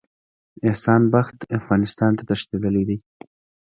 احسان بخت افغانستان ته تښتېدلی دی.